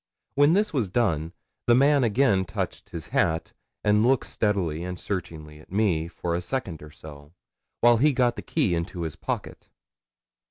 When this was done, the man again touched his hat, and looked steadily and searchingly at me for a second or so, while he got the key into his pocket.